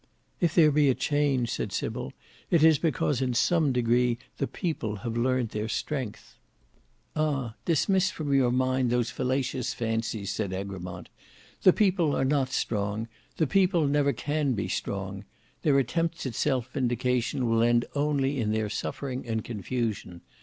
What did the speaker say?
"If there be a change," said Sybil, "it is because in some degree the People have learnt their strength." "Ah! dismiss from your mind those fallacious fancies," said Egremont. "The People are not strong; the People never can be strong. Their attempts at self vindication will end only in their suffering and confusion.